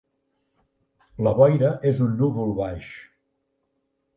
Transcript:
La boira és un núvol baix.